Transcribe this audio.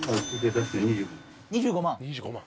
２５万。